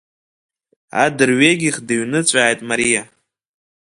Адырҩегьых дыҩныҵәааит Мариа.